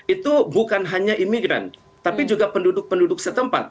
itu bukan hanya imigran tapi juga penduduk penduduk setempat